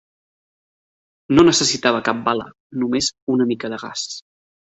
No necessitava cap bala, només una mica de gas.